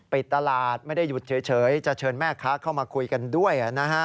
ปิดตลาดไม่ได้หยุดเฉยจะเชิญแม่ค้าเข้ามาคุยกันด้วย